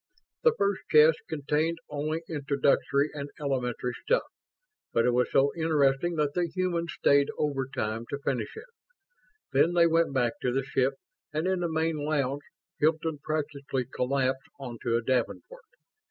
The first chest contained only introductory and elementary stuff; but it was so interesting that the humans stayed overtime to finish it. Then they went back to the ship; and in the main lounge Hilton practically collapsed onto a davenport.